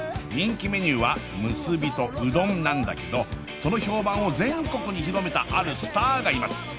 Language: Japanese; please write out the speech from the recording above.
人気メニューは「むすび」と「うどん」なんだけどその評判を全国に広めたあるスターがいます